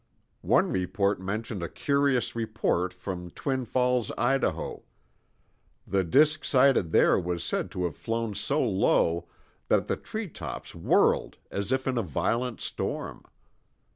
One report mentioned a curious report from Twin Falls, Idaho. The disk sighted there was said to have flown so low that the treetops whirled as if in a violent storm.